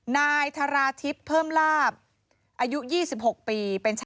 นายทราทิพย์เพิ่มลาบอายุ๒๖ปีเป็นชาวจังหวัดระนองค่ะ